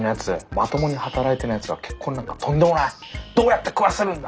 「まともに働いてないやつが結婚なんかとんでもないどうやって食わせるんだ！」